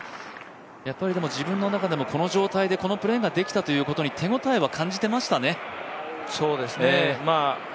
でも自分の中でも、この状態の中でこのプレーができたということに、手応えは感じてましたね。